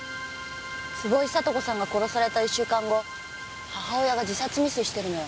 坪井里子さんが殺された１週間後母親が自殺未遂してるのよ。